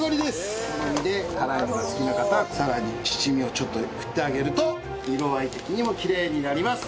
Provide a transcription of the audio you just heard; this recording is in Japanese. お好みで辛いのが好きな方はさらに七味をちょっと振ってあげると色合い的にもきれいになります。